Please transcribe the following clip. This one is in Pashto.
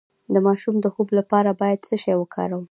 د ماشوم د خوب لپاره باید څه شی وکاروم؟